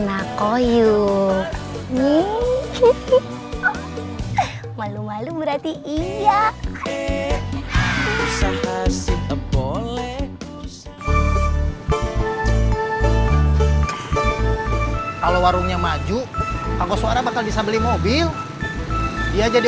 nakoyu malu malu berarti iya kalau warungnya maju kalau suara bakal bisa beli mobil dia jadi